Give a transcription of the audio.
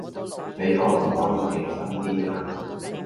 你可唔可以認真 D 呀？